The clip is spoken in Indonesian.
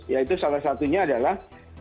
yaitu salah satunya adalah